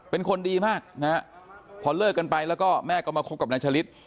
เป็นคนดีมากนะฮะพอเลิกกันไปแล้วก็แม่ก็มาคบกับนายชะลิด